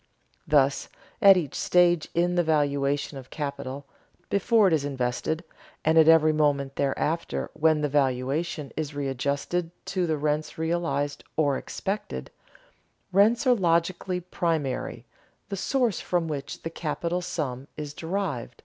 Thus, at each stage in the valuation of capital, before it is invested and at every moment thereafter when the valuation is readjusted to the rents realized or expected, rents are logically primary, the source from which the capital sum is derived.